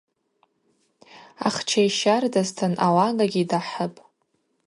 Ахча йщардазтын, алагагьи дахӏыпӏ.